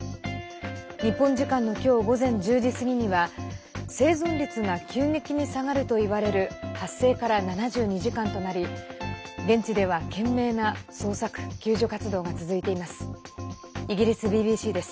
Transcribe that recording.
日本時間の今日午前１０時過ぎには生存率が急激に下がるといわれる発生から７２時間となり現地では、懸命な捜索救助活動が続いています。